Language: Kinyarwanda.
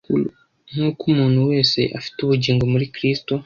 Nk’uko umuntu wese afite ubugingo muri Kristo,